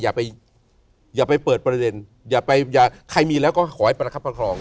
อย่าไปอย่าไปเปิดประเด็นอย่าไปอย่าใครมีแล้วก็ขอให้ประคับประคอง